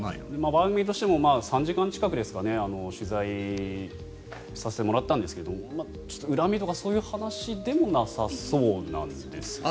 番組としても３時間近く取材をさせてもらったんですがちょっと恨みとかそういう話でもなさそうなんですよね。